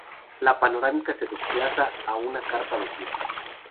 La panorámica se desplaza a una carpa de circo.